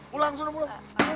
pulang sudah pulang